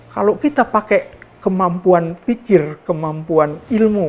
kalau kita pakai kemampuan pikir kemampuan ilmu